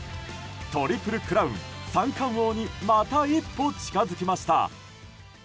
トリプルクラウン三冠王にまた一歩近づきました。